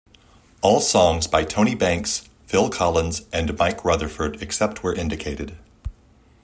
All songs by Tony Banks, Phil Collins and Mike Rutherford, except where indicated.